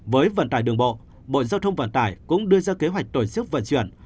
với vận tải đường bộ bộ giao thông vận tải cũng đưa ra kế hoạch tổ chức vận chuyển